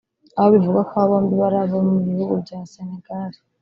aho bivugwa ko aba bombi ari abo mu gihugu cya Senegal